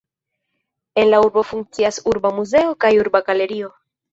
En la urbo funkcias Urba muzeo kaj Urba galerio.